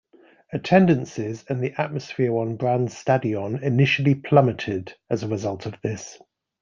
Attendances and the atmosphere on Brann Stadion initially plummeted as a result of this.